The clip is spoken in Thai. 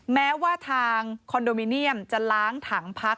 แม้ว่าทางคอนโดมิเนียมจะล้างถังพัก